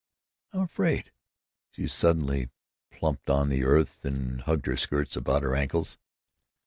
"I'm af fraid!" She suddenly plumped on the earth and hugged her skirts about her ankles.